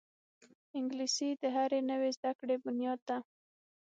انګلیسي د هرې نوې زده کړې بنیاد ده